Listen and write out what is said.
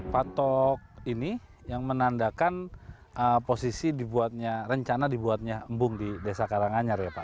patok ini yang menandakan posisi dibuatnya rencana dibuatnya embung di desa karanganyar ya pak